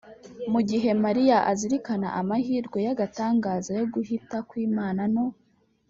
mu gihe mariya azirikana amahirwe y’agatangaza y’uguhita kw’imana no